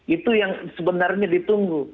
itu yang sebenarnya ditunggu